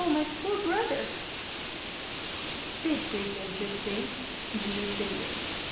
my poor brother !" "This is interesting!" jeered Gunbei.